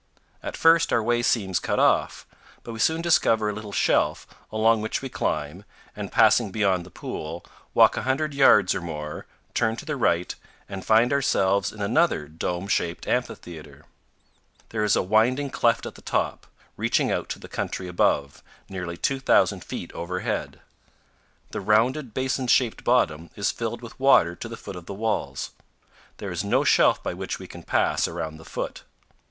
At first our way seems cut off; but we soon discover a little shelf, along which we climb, and, passing beyond the pool, walk a hundred yards or more, turn to the right, and find ourselves in another dome shaped amphitheater. There is a winding cleft at the top, reaching out to the country above, nearly 2,000 feet overhead. The rounded, basin shaped bottom is filled with water to the foot of the walls. There is no shelf by which we can pass around the foot.